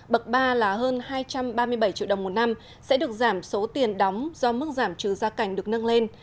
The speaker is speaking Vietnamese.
bậc ba là hơn hai trăm ba mươi bảy triệu đồng một năm sẽ được giảm số tiền đóng do mức giảm trừ gia cảnh được nâng lên